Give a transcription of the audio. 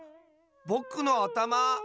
ぼくのあたま！